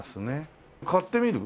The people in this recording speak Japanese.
買ってみる？